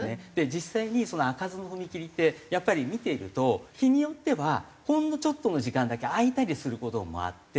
実際に開かずの踏切ってやっぱり見ていると日によってはほんのちょっとの時間だけ開いたりする事もあって。